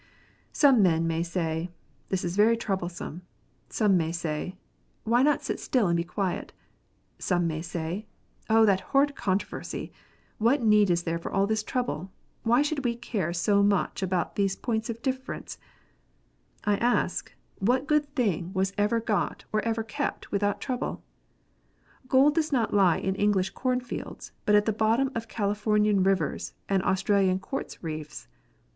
Some men may say, " This is very troublesome." Some may say, " Why not sit still and be quiet 1 " Some may say, "Oh, that horrid controversy! What need is there for all this trouble? Why should we care so much about these points of difference 1 " I ask, what good thing was ever got, or ever kept, without trouble 1 Gold does not lie in English corn fields, but at the bottom of Calif oruian rivers, and Australian quartz reefs.